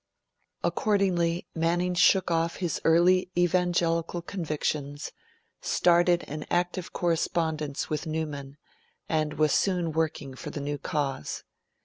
Accordingly, Manning shook off his early Evangelical convictions, started an active correspondence with Newman, and was soon working for the new cause.